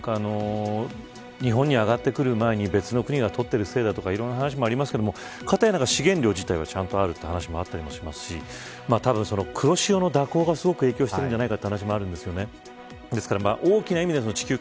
日本に上がってくる前に別の国が獲ってるせいだとかいろんな話もありますがかたや、資源量自体はちゃんとあるという話もあったりしますし黒潮の蛇行がすごく影響してるんじゃないかという話もあるんですよね。